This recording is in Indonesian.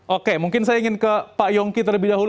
oke mungkin saya ingin ke pak yongki terlebih dahulu